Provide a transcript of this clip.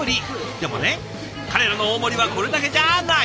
でもね彼らの大盛りはこれだけじゃない！